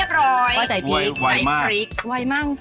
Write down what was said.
เรียบร้อย